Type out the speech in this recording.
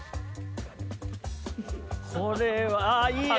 これはああいい！